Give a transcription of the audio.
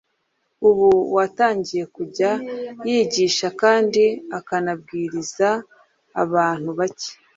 ubu watangiye kujya yigisha kandi akanabwiriza abantu bake,